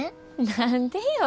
何でよ。